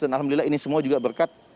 dan alhamdulillah ini semua juga berkat